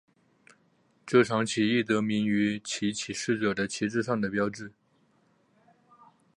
这场起义得名于其起事者的旗帜上的标志。